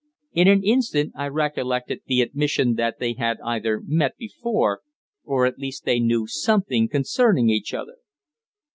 In an instant I recollected the admission that they had either met before, or at least they knew something concerning each other.